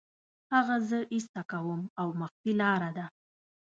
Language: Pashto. هغه زه ایسته کوم او مخفي لاره ده